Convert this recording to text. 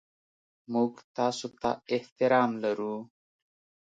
موږ تاسو ته احترام لرو.